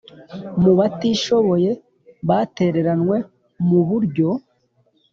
Mu batishoboye batereranwe mu buryo